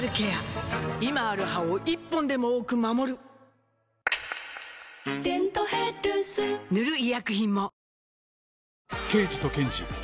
今ある歯を１本でも多く守る「デントヘルス」塗る医薬品も